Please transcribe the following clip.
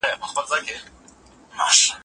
دغه ساغر هغه ساغر